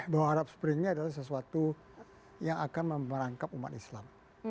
bahwa arab spring ini adalah sesuatu yang akan merangkap umat islam